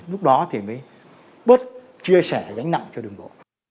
lúc đó thì mới bớt chia sẻ gánh nặng cho đường bộ